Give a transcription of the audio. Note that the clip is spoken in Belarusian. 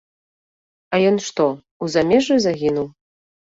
А ён што, у замежжы загінуў?